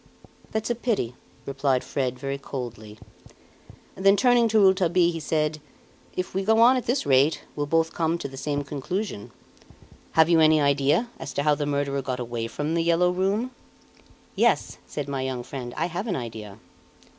"That's a pity!" replied Fred, very coldly. Then, turning to Rouletabille, he said: "If we go on at this rate, we'll both come to the same conclusion. Have you any idea, as to how the murderer got away from "The Yellow Room"?" "Yes," said my young friend; "I have an idea."